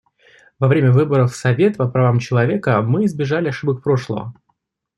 Во время выборов в Совет по правам человека мы избежали ошибок прошлого.